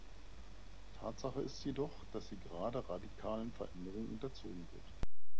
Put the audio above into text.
Tatsache ist jedoch, dass sie gerade radikalen Veränderungen unterzogen wird.